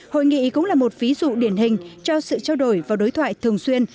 hội nghị cũng là một ví dụ điển hình cho sự trao đổi và đối thoại thường xuyên